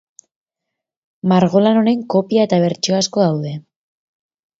Margolan honen kopia eta bertsio asko daude.